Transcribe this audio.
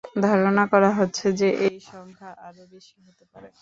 ধারণা করা হচ্ছে যে, এই সংখ্যা আরও বেশি হতে পারে।